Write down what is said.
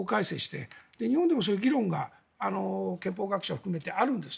日本でもそういう議論が憲法学者を含めてあるんです。